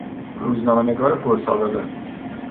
روزنامهنگار پر سابقه